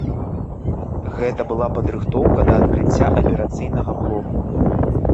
Гэта была падрыхтоўка да адкрыцця аперацыйнага блоку.